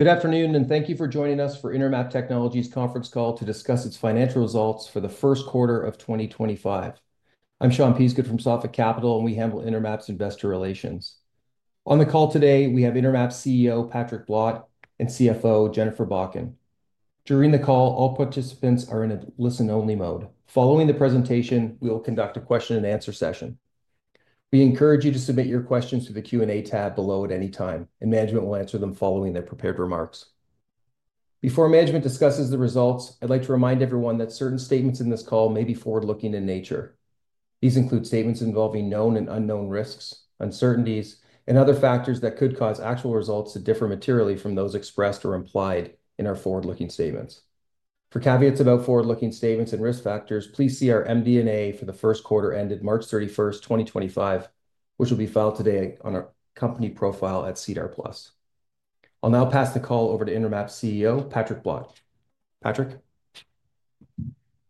Good afternoon, and thank you for joining us for Intermap Technologies' conference call to discuss its financial results for the first quarter of 2025. I'm Sean Peasgood from Sophic Capital, and we handle Intermap's investor relations. On the call today, we have Intermap CEO Patrick Blott and CFO Jennifer Bakken. During the call, all participants are in a listen-only mode. Following the presentation, we will conduct a question-and-answer session. We encourage you to submit your questions to the Q&A tab below at any time, and management will answer them following their prepared remarks. Before management discusses the results, I'd like to remind everyone that certain statements in this call may be forward-looking in nature. These include statements involving known and unknown risks, uncertainties, and other factors that could cause actual results to differ materially from those expressed or implied in our forward-looking statements. For caveats about forward-looking statements and risk factors, please see our MD&A for the first quarter ended March 31, 2025, which will be filed today on our company profile at SEDAR+. I'll now pass the call over to Intermap CEO Patrick Blott. Patrick?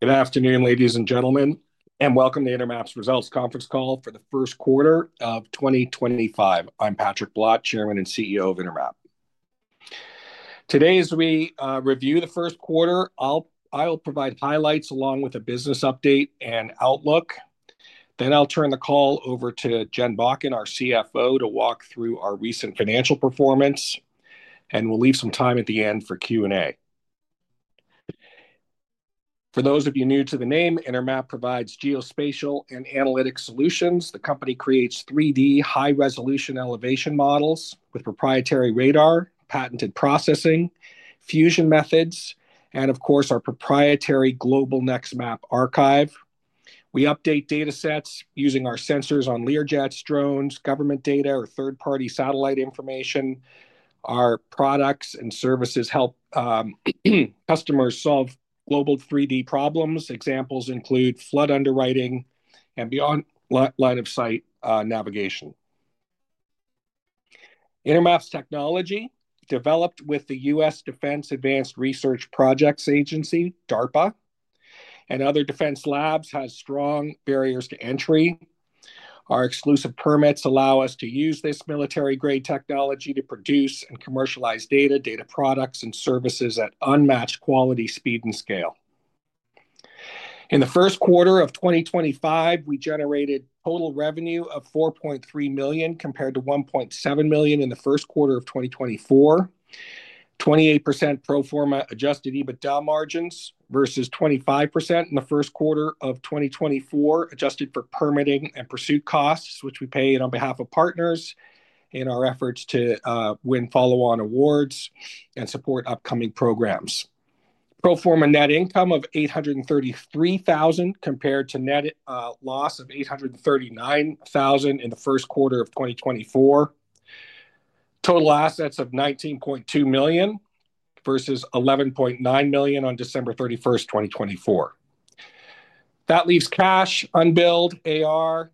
Good afternoon, ladies and gentlemen, and welcome to Intermap's results conference call for the first quarter of 2025. I'm Patrick Blott, Chairman and CEO of Intermap. Today, as we review the first quarter, I'll provide highlights along with a business update and outlook. I will turn the call over to Jen Bakken, our CFO, to walk through our recent financial performance, and we will leave some time at the end for Q&A. For those of you new to the name, Intermap provides geospatial and analytic solutions. The company creates 3D high-resolution elevation models with proprietary radar, patented processing, fusion methods, and, of course, our proprietary Global Next Map archive. We update datasets using our sensors on Learjets, drones, government data, or third-party satellite information. Our products and services help customers solve global 3D problems. Examples include flood underwriting and beyond line-of-sight navigation. Intermap's technology, developed with the U.S. Defense Advanced Research Projects Agency, DARPA, and other defense labs, has strong barriers to entry. Our exclusive permits allow us to use this military-grade technology to produce and commercialize data, data products, and services at unmatched quality, speed, and scale. In the first quarter of 2025, we generated total revenue of $4.3 million compared to $1.7 million in the first quarter of 2024, 28% pro forma Adjusted EBITDA margins versus 25% in the first quarter of 2024 adjusted for permitting and pursuit costs, which we paid on behalf of partners in our efforts to win follow-on awards and support upcoming programs. Pro forma net income of $833,000 compared to net loss of $839,000 in the first quarter of 2024, total assets of $19.2 million versus $11.9 million on December 31, 2024. That leaves cash unbilled AR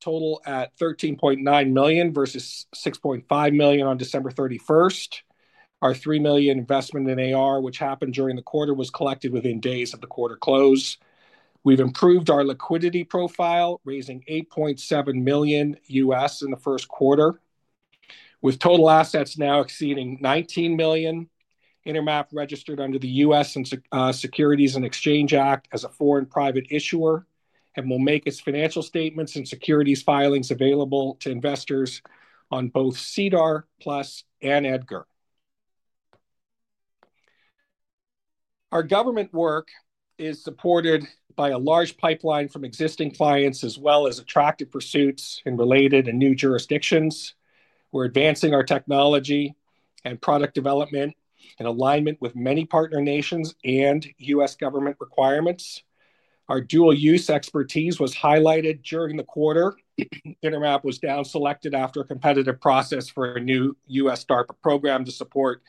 total at $13.9 million versus $6.5 million on December 31. Our $3 million investment in AR, which happened during the quarter, was collected within days of the quarter close. We've improved our liquidity profile, raising $8.7 million U.S. in the first quarter, with total assets now exceeding $19 million. Intermap registered under the U.S. Securities and Exchange Act as a foreign private issuer and will make its financial statements and securities filings available to investors on both SEDAR+ and EDGAR. Our government work is supported by a large pipeline from existing clients as well as attractive pursuits in related and new jurisdictions. We're advancing our technology and product development in alignment with many partner nations and U.S. government requirements. Our dual-use expertise was highlighted during the quarter. Intermap was down-selected after a competitive process for a new U.S. DARPA program to support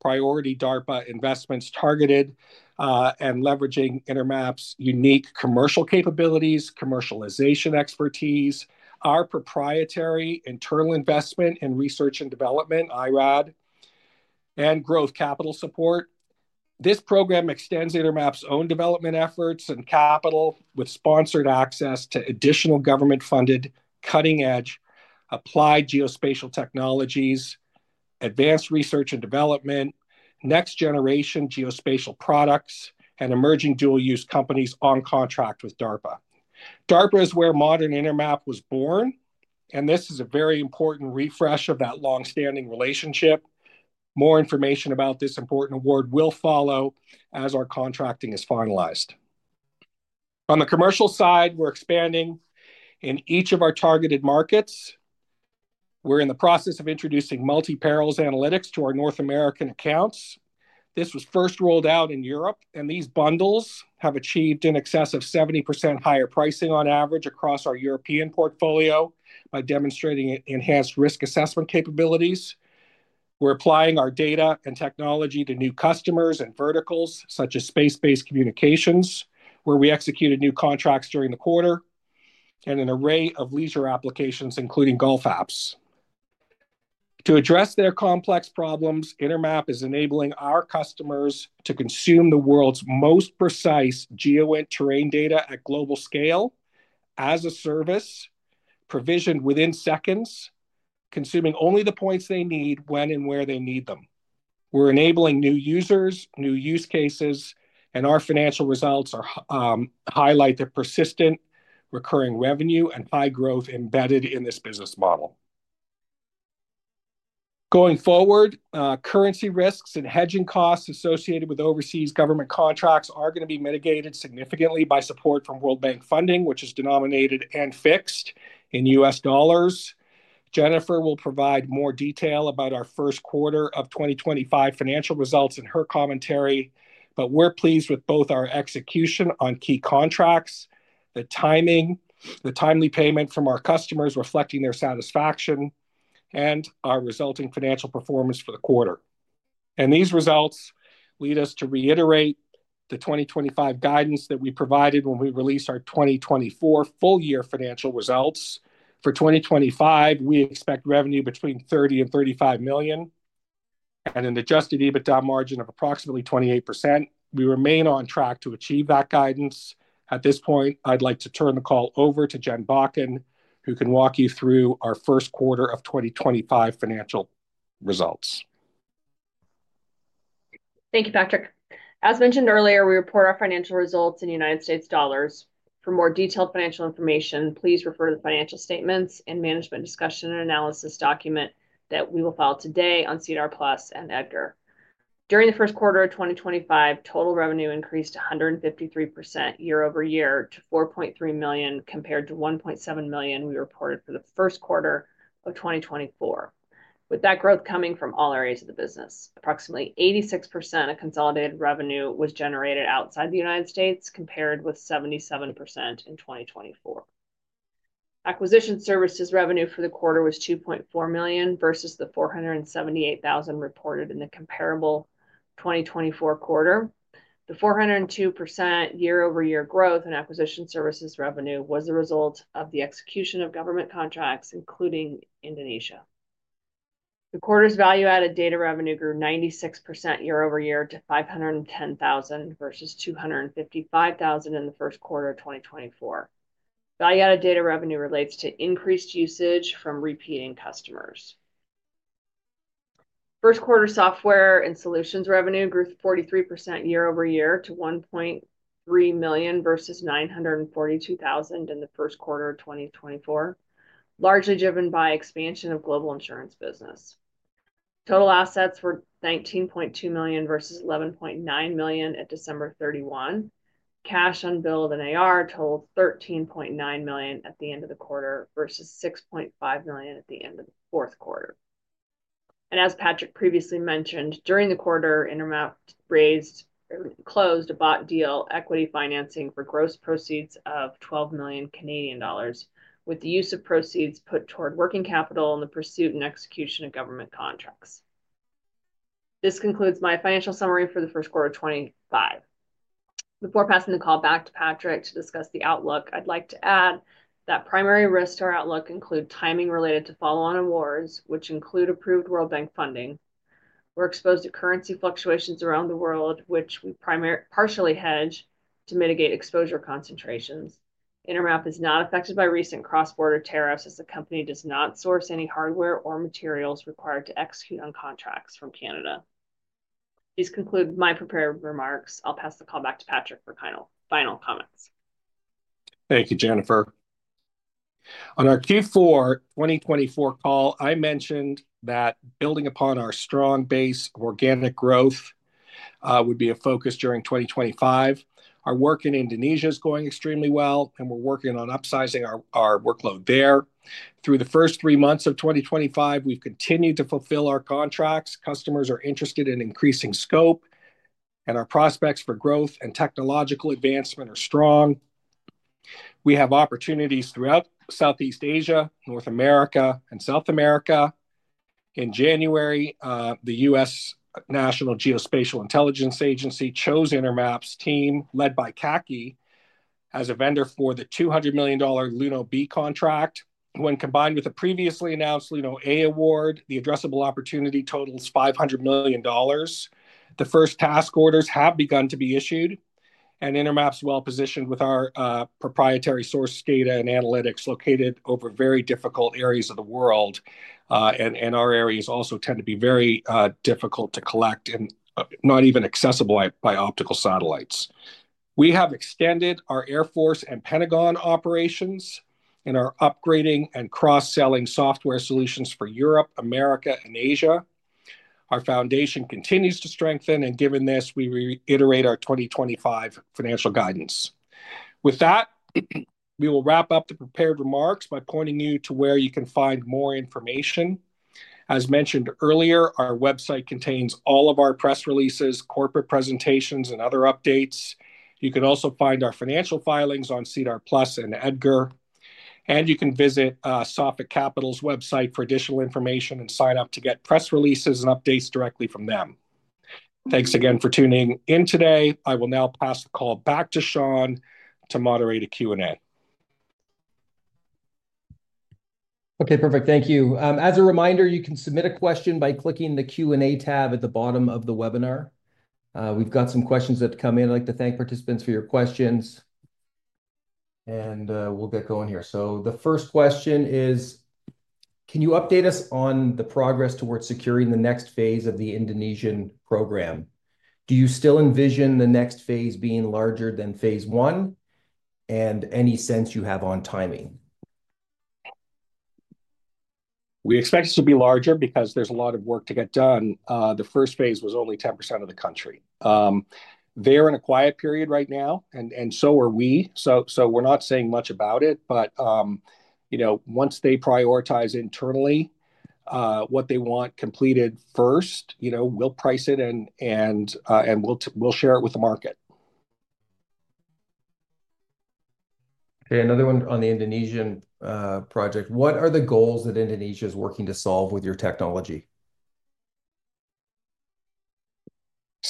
priority DARPA investments targeted and leveraging Intermap's unique commercial capabilities, commercialization expertise, our proprietary internal investment and research and development, IRAD, and growth capital support. This program extends Intermap's own development efforts and capital with sponsored access to additional government-funded cutting-edge applied geospatial technologies, advanced research and development, next-generation geospatial products, and emerging dual-use companies on contract with DARPA. DARPA is where modern Intermap was born, and this is a very important refresh of that long-standing relationship. More information about this important award will follow as our contracting is finalized. On the commercial side, we're expanding in each of our targeted markets. We're in the process of introducing multi-perils analytics to our North American accounts. This was first rolled out in Europe, and these bundles have achieved in excess of 70% higher pricing on average across our European portfolio by demonstrating enhanced risk assessment capabilities. We're applying our data and technology to new customers and verticals such as space-based communications, where we executed new contracts during the quarter, and an array of leisure applications, including golf apps. To address their complex problems, Intermap is enabling our customers to consume the world's most precise geo and terrain data at global scale as a service, provisioned within seconds, consuming only the points they need when and where they need them. We're enabling new users, new use cases, and our financial results highlight the persistent recurring revenue and high growth embedded in this business model. Going forward, currency risks and hedging costs associated with overseas government contracts are going to be mitigated significantly by support from World Bank funding, which is denominated and fixed in U.S. dollars. Jennifer will provide more detail about our first quarter of 2025 financial results in her commentary, but we're pleased with both our execution on key contracts, the timing, the timely payment from our customers reflecting their satisfaction, and our resulting financial performance for the quarter. These results lead us to reiterate the 2025 guidance that we provided when we released our 2024 full-year financial results. For 2025, we expect revenue between $30 million and $35 million and an Adjusted EBITDA margin of approximately 28%. We remain on track to achieve that guidance. At this point, I'd like to turn the call over to Jennifer Bakken, who can walk you through our first quarter of 2025 financial results. Thank you, Patrick. As mentioned earlier, we report our financial results in United States dollars. For more detailed financial information, please refer to the financial statements and Management Discussion and Analysis document that we will file today on SEDAR+ and EDGAR. During the first quarter of 2025, total revenue increased 153% year-over-year to $4.3 million compared to $1.7 million we reported for the first quarter of 2024. With that growth coming from all areas of the business, approximately 86% of consolidated revenue was generated outside the United States compared with 77% in 2024. Acquisition Services revenue for the quarter was $2.4 million versus the $478,000 reported in the comparable 2024 quarter. The 402% year-over-year growth in Acquisition Services revenue was the result of the execution of government contracts, including Indonesia. The quarter's Value-Added Data revenue grew 96% year-over-year to $510,000 versus $255,000 in the first quarter of 2024. Value-added data revenue relates to increased usage from repeating customers. First-quarter software and solutions revenue grew 43% year-over-year to $1.3 million versus $942,000 in the first quarter of 2024, largely driven by expansion of global insurance business. Total assets were $19.2 million versus $11.9 million at December 31. Cash, unbilled, and AR totaled $13.9 million at the end of the quarter versus $6.5 million at the end of the fourth quarter. As Patrick previously mentioned, during the quarter, Intermap closed a bought deal equity financing for gross proceeds of 12 million Canadian dollars, with the use of proceeds put toward working capital in the pursuit and execution of government contracts. This concludes my financial summary for the first quarter of 2025. Before passing the call back to Patrick to discuss the outlook, I'd like to add that primary risks to our outlook include timing related to follow-on awards, which include approved World Bank funding. We're exposed to currency fluctuations around the world, which we partially hedge to mitigate exposure concentrations. Intermap is not affected by recent cross-border tariffs as the company does not source any hardware or materials required to execute on contracts from Canada. These conclude my prepared remarks. I'll pass the call back to Patrick for final comments. Thank you, Jennifer. On our Q4 2024 call, I mentioned that building upon our strong base of organic growth would be a focus during 2025. Our work in Indonesia is going extremely well, and we're working on upsizing our workload there. Through the first three months of 2025, we've continued to fulfill our contracts. Customers are interested in increasing scope, and our prospects for growth and technological advancement are strong. We have opportunities throughout Southeast Asia, North America, and South America. In January, the U.S. National Geospatial Intelligence Agency chose Intermap's team, led by CACI, as a vendor for the $200 million LUNO-B contract. When combined with the previously announced LUNO-A award, the addressable opportunity totals $500 million. The first task orders have begun to be issued, and Intermap's well-positioned with our proprietary source data and analytics located over very difficult areas of the world. Our areas also tend to be very difficult to collect and not even accessible by optical satellites. We have extended our Air Force and Pentagon operations and are upgrading and cross-selling software solutions for Europe, America, and Asia. Our foundation continues to strengthen, and given this, we reiterate our 2025 financial guidance. With that, we will wrap up the prepared remarks by pointing you to where you can find more information. As mentioned earlier, our website contains all of our press releases, corporate presentations, and other updates. You can also find our financial filings on SEDAR+ and EDGAR, and you can visit Sophic Capital's website for additional information and sign up to get press releases and updates directly from them. Thanks again for tuning in today. I will now pass the call back to Sean to moderate a Q&A. Okay, perfect. Thank you. As a reminder, you can submit a question by clicking the Q&A tab at the bottom of the webinar. We've got some questions that have come in. I'd like to thank participants for your questions, and we'll get going here. The first question is, can you update us on the progress towards securing the next phase of the Indonesian program? Do you still envision the next phase being larger than phase one and any sense you have on timing? We expect it to be larger because there's a lot of work to get done. The first phase was only 10% of the country. They're in a quiet period right now, and so are we. We're not saying much about it, but once they prioritize internally what they want completed first, we'll price it and we'll share it with the market. Okay, another one on the Indonesian project. What are the goals that Indonesia is working to solve with your technology?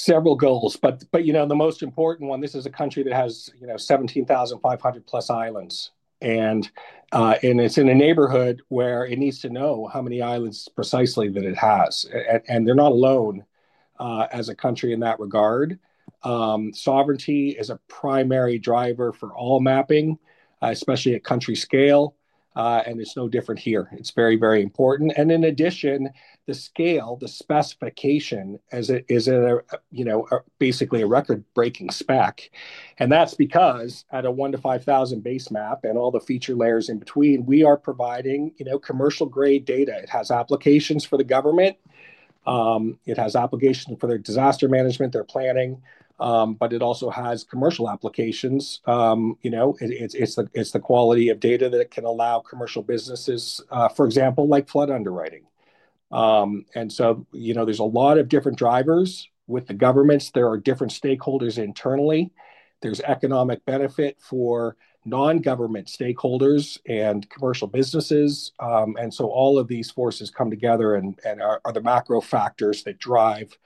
Several goals, but the most important one, this is a country that has 17,500 plus islands, and it's in a neighborhood where it needs to know how many islands precisely that it has. They're not alone as a country in that regard. Sovereignty is a primary driver for all mapping, especially at country scale, and it's no different here. It's very, very important. In addition, the scale, the specification is basically a record-breaking spec. That's because at a 1 to 5,000 base map and all the feature layers in between, we are providing commercial-grade data. It has applications for the government. It has applications for their disaster management, their planning, but it also has commercial applications. It's the quality of data that can allow commercial businesses, for example, like flood underwriting. There are a lot of different drivers with the governments. There are different stakeholders internally. is economic benefit for non-government stakeholders and commercial businesses. All of these forces come together and are the macro factors that drive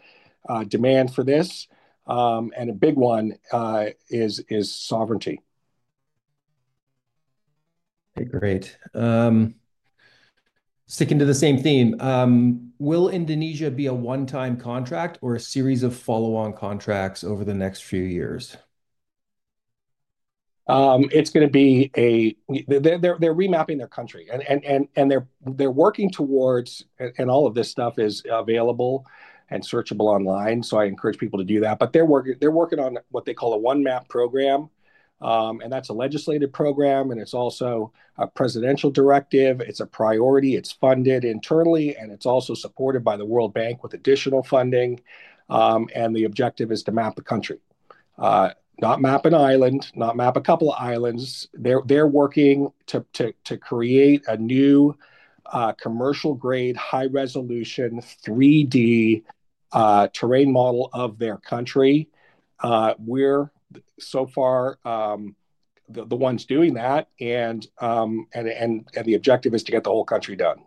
demand for this. A big one is sovereignty. Okay, great. Sticking to the same theme, will Indonesia be a one-time contract or a series of follow-on contracts over the next few years? It's going to be a they're remapping their country, and they're working towards and all of this stuff is available and searchable online, so I encourage people to do that. They're working on what they call a one-map program, and that's a legislated program, and it's also a presidential directive. It's a priority. It's funded internally, and it's also supported by the World Bank with additional funding. The objective is to map the country, not map an island, not map a couple of islands. They're working to create a new commercial-grade, high-resolution 3D terrain model of their country. We're so far the ones doing that, and the objective is to get the whole country done.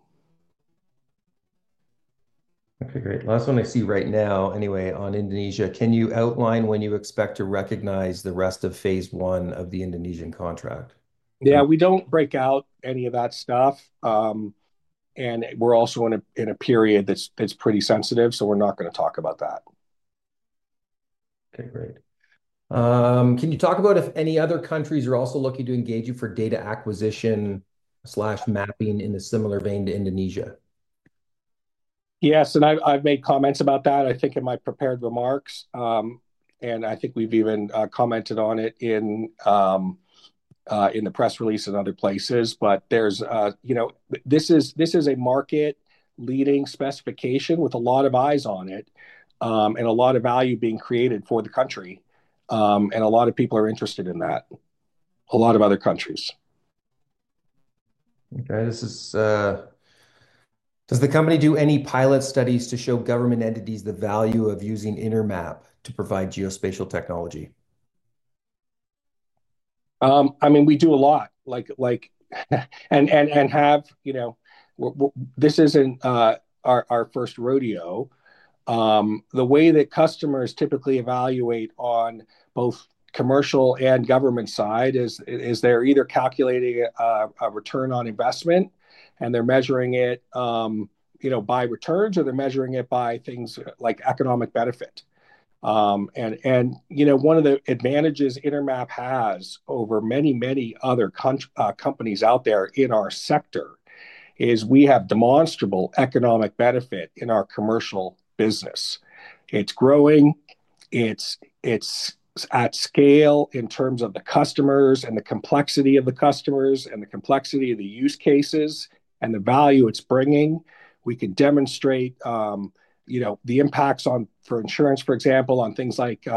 Okay, great. Last one I see right now, anyway, on Indonesia. Can you outline when you expect to recognize the rest of phase one of the Indonesian contract? Yeah, we do not break out any of that stuff, and we are also in a period that is pretty sensitive, so we are not going to talk about that. Okay, great. Can you talk about if any other countries are also looking to engage you for data acquisition or mapping in a similar vein to Indonesia? Yes, and I've made comments about that, I think, in my prepared remarks, and I think we've even commented on it in the press release and other places. This is a market-leading specification with a lot of eyes on it and a lot of value being created for the country, and a lot of people are interested in that, a lot of other countries. Okay, does the company do any pilot studies to show government entities the value of using Intermap to provide geospatial technology? I mean, we do a lot and this isn't our first rodeo. The way that customers typically evaluate on both commercial and government side is they're either calculating a return on investment, and they're measuring it by returns, or they're measuring it by things like economic benefit. One of the advantages Intermap has over many, many other companies out there in our sector is we have demonstrable economic benefit in our commercial business. It's growing. It's at scale in terms of the customers and the complexity of the customers and the complexity of the use cases and the value it's bringing. We can demonstrate the impacts for insurance, for example, on things like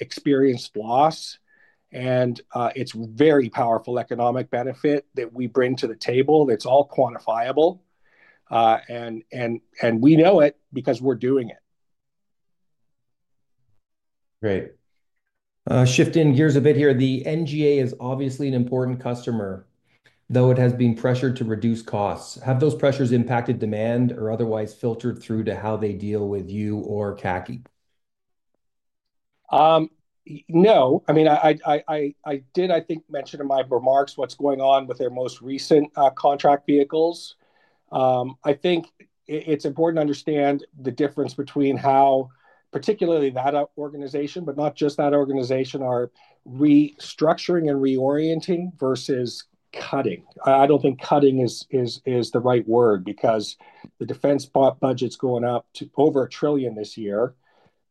experienced loss. It's very powerful economic benefit that we bring to the table. It's all quantifiable, and we know it because we're doing it. Great. Shifting gears a bit here, the NGA is obviously an important customer, though it has been pressured to reduce costs. Have those pressures impacted demand or otherwise filtered through to how they deal with you or CACI? No. I mean, I did, I think, mention in my remarks what's going on with their most recent contract vehicles. I think it's important to understand the difference between how particularly that organization, but not just that organization, are restructuring and reorienting versus cutting. I don't think cutting is the right word because the defense budget's going up to over $1 trillion this year.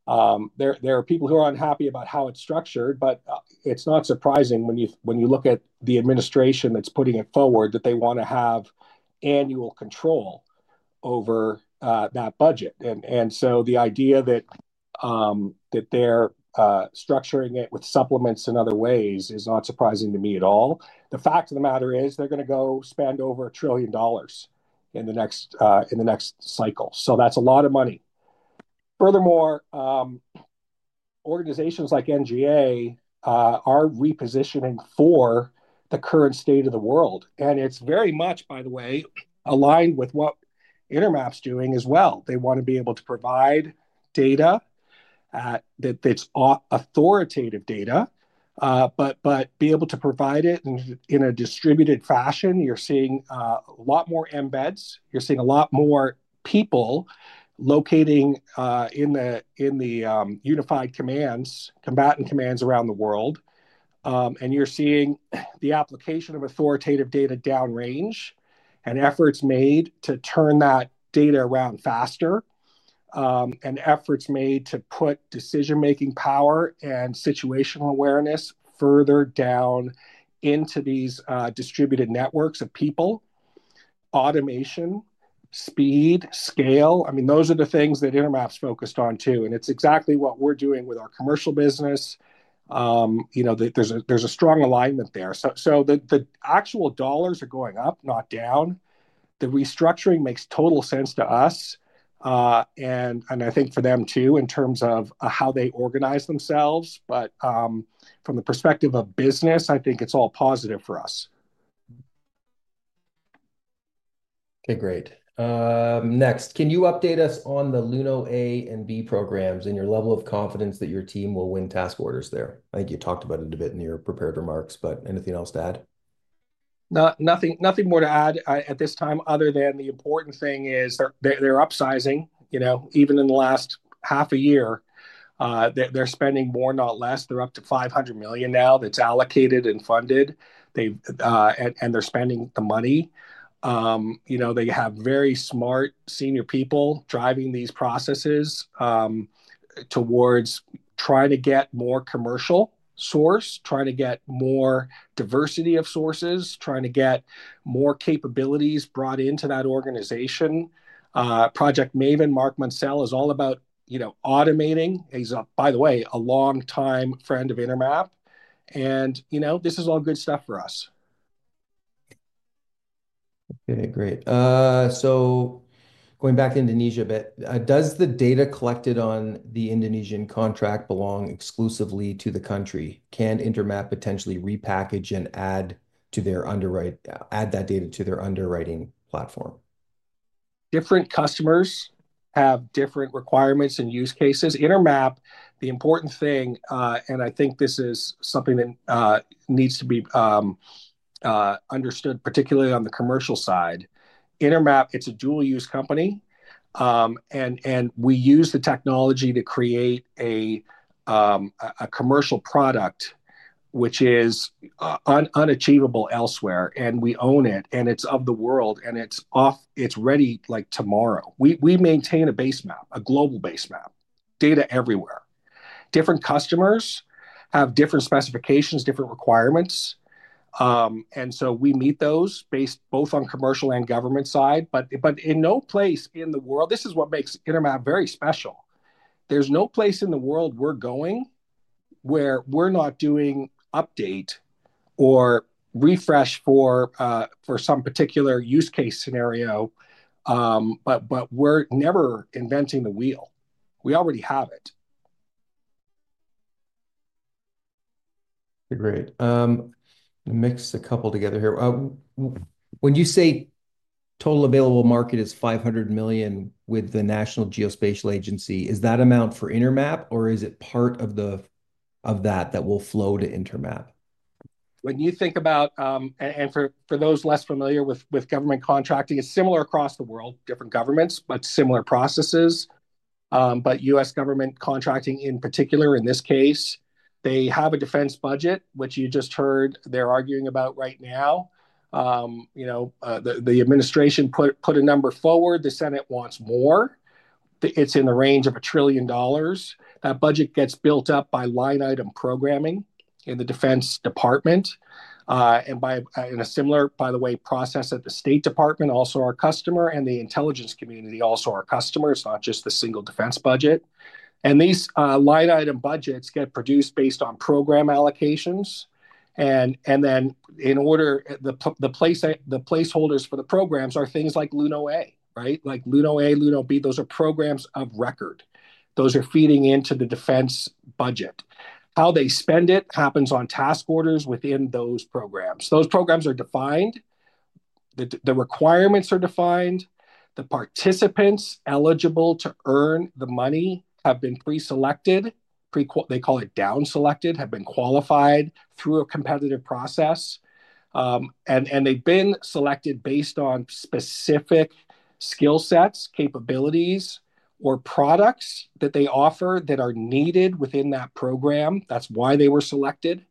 There are people who are unhappy about how it's structured, but it's not surprising when you look at the administration that's putting it forward that they want to have annual control over that budget. The idea that they're structuring it with supplements in other ways is not surprising to me at all. The fact of the matter is they're going to go spend over $1 trillion in the next cycle. That is a lot of money. Furthermore, organizations like NGA are repositioning for the current state of the world, and it is very much, by the way, aligned with what Intermap's doing as well. They want to be able to provide data that's authoritative data, but be able to provide it in a distributed fashion. You're seeing a lot more embeds. You're seeing a lot more people locating in the unified commands, combatant commands around the world. You're seeing the application of authoritative data downrange and efforts made to turn that data around faster and efforts made to put decision-making power and situational awareness further down into these distributed networks of people, automation, speed, scale. I mean, those are the things that Intermap's focused on too, and it's exactly what we're doing with our commercial business. There's a strong alignment there. The actual dollars are going up, not down. The restructuring makes total sense to us, and I think for them too in terms of how they organize themselves. From the perspective of business, I think it's all positive for us. Okay, great. Next, can you update us on the LUNO-A and B programs and your level of confidence that your team will win task orders there? I think you talked about it a bit in your prepared remarks, but anything else to add? Nothing more to add at this time other than the important thing is they're upsizing. Even in the last half a year, they're spending more, not less. They're up to $500 million now that's allocated and funded, and they're spending the money. They have very smart senior people driving these processes towards trying to get more commercial source, trying to get more diversity of sources, trying to get more capabilities brought into that organization. Project Maven, Mark Munsell is all about automating. He's, by the way, a long-time friend of Intermap, and this is all good stuff for us. Okay, great. Going back to Indonesia a bit, does the data collected on the Indonesian contract belong exclusively to the country? Can Intermap potentially repackage and add that data to their underwriting platform? Different customers have different requirements and use cases. Intermap, the important thing, and I think this is something that needs to be understood, particularly on the commercial side. Intermap, it's a dual-use company, and we use the technology to create a commercial product, which is unachievable elsewhere, and we own it, and it's of the world, and it's ready tomorrow. We maintain a base map, a global base map, data everywhere. Different customers have different specifications, different requirements, and so we meet those based both on commercial and government side, but in no place in the world this is what makes Intermap very special. There's no place in the world we're going where we're not doing update or refresh for some particular use case scenario, but we're never inventing the wheel. We already have it. Okay, great. Mix a couple together here. When you say total available market is $500 million with the National Geospatial Intelligence Agency, is that amount for Intermap, or is it part of that that will flow to Intermap? When you think about, and for those less familiar with government contracting, it's similar across the world, different governments, but similar processes. U.S. government contracting in particular, in this case, they have a defense budget, which you just heard they're arguing about right now. The administration put a number forward. The Senate wants more. It's in the range of a trillion dollars. That budget gets built up by line item programming in the Defense Department and by a similar, by the way, process at the State Department, also our customer, and the intelligence community also our customer, it's not just the single defense budget. These line item budgets get produced based on program allocations. The placeholders for the programs are things like LUNO-A, right? Like LUNO-A, LUNO-B, those are programs of record. Those are feeding into the defense budget. How they spend it happens on task orders within those programs. Those programs are defined. The requirements are defined. The participants eligible to earn the money have been preselected. They call it downselected, have been qualified through a competitive process. They have been selected based on specific skill sets, capabilities, or products that they offer that are needed within that program. That is why they were selected.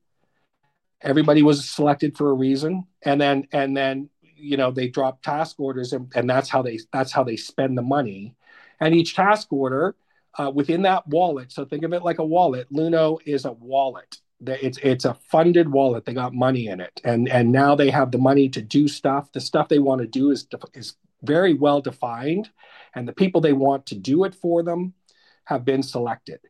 Everybody was selected for a reason. They drop task orders, and that is how they spend the money. Each task order within that wallet, so think of it like a wallet, LUNO is a wallet. It is a funded wallet. They got money in it, and now they have the money to do stuff. The stuff they want to do is very well defined, and the people they want to do it for them have been selected.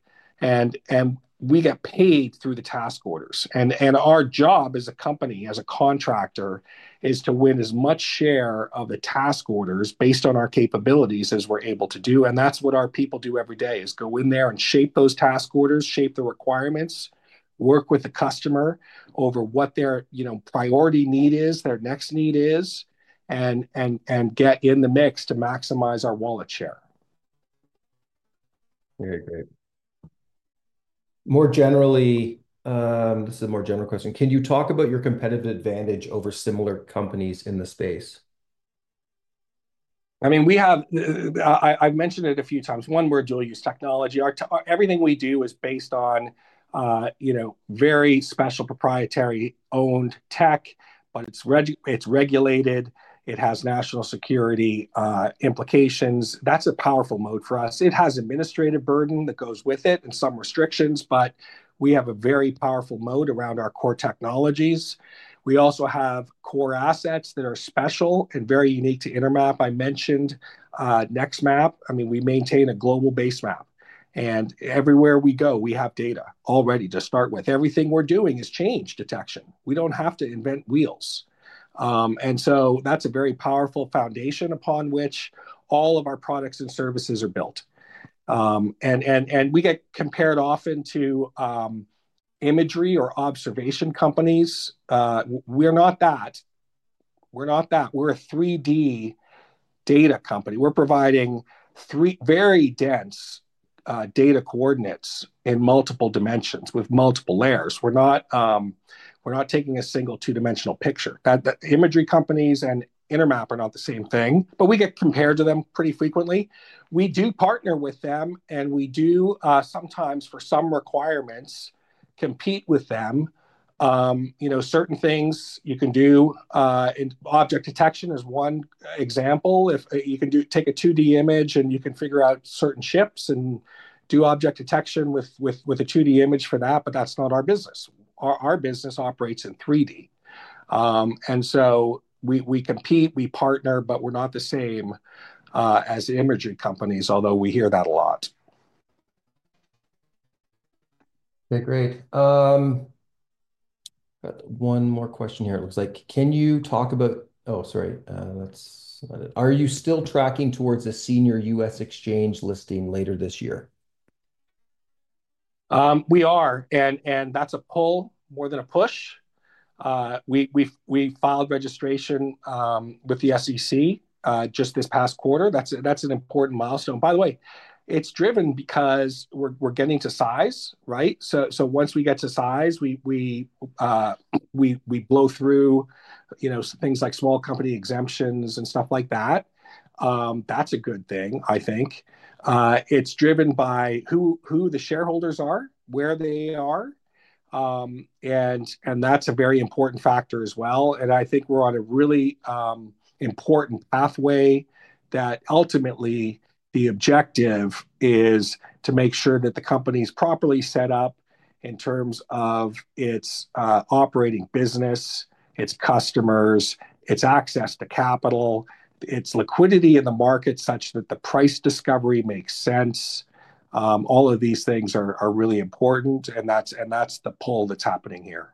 We get paid through the task orders. Our job as a company, as a contractor, is to win as much share of the task orders based on our capabilities as we're able to do. That's what our people do every day, go in there and shape those task orders, shape the requirements, work with the customer over what their priority need is, their next need is, and get in the mix to maximize our wallet share. Okay, great. More generally, this is a more general question. Can you talk about your competitive advantage over similar companies in the space? I mean, I've mentioned it a few times. One, we're a dual-use technology. Everything we do is based on very special proprietary-owned tech, but it's regulated. It has national security implications. That's a powerful moat for us. It has administrative burden that goes with it and some restrictions, but we have a very powerful moat around our core technologies. We also have core assets that are special and very unique to Intermap. I mentioned NextMap. I mean, we maintain a global base map, and everywhere we go, we have data already to start with. Everything we're doing is change detection. We don't have to invent wheels. That's a very powerful foundation upon which all of our products and services are built. We get compared often to imagery or observation companies. We're not that. We're not that. We're a 3D data company. We're providing very dense data coordinates in multiple dimensions with multiple layers. We're not taking a single two-dimensional picture. Imagery companies and Intermap are not the same thing, but we get compared to them pretty frequently. We do partner with them, and we do sometimes for some requirements compete with them. Certain things you can do, object detection is one example. You can take a 2D image, and you can figure out certain ships and do object detection with a 2D image for that, but that's not our business. Our business operates in 3D. We compete, we partner, but we're not the same as imagery companies, although we hear that a lot. Okay, great. Got one more question here. It looks like, can you talk about, oh, sorry, that's not it. Are you still tracking towards a senior U.S. exchange listing later this year? We are, and that's a pull more than a push. We filed registration with the SEC just this past quarter. That's an important milestone. By the way, it's driven because we're getting to size, right? Once we get to size, we blow through things like small company exemptions and stuff like that. That's a good thing, I think. It's driven by who the shareholders are, where they are, and that's a very important factor as well. I think we're on a really important pathway that ultimately the objective is to make sure that the company is properly set up in terms of its operating business, its customers, its access to capital, its liquidity in the market such that the price discovery makes sense. All of these things are really important, and that's the pull that's happening here.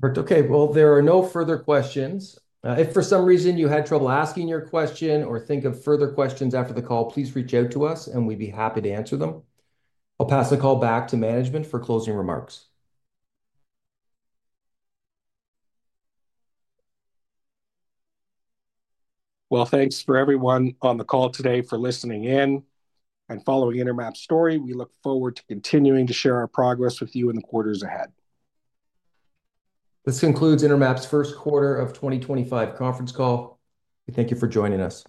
Perfect. Okay. There are no further questions. If for some reason you had trouble asking your question or think of further questions after the call, please reach out to us, and we'd be happy to answer them. I'll pass the call back to management for closing remarks. Thanks for everyone on the call today for listening in and following Intermap's story. We look forward to continuing to share our progress with you in the quarters ahead. This concludes Intermap's first quarter of 2025 conference call. We thank you for joining us.